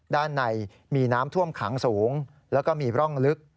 ด้านในมีน้ำท่วมขังสูงแล้วก็มีร่องลึก